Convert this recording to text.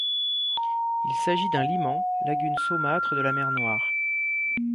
Il s'agit d'un liman, lagune saumâtre de la Mer Noire.